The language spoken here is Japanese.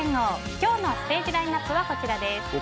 今日のステージラインアップはこちら。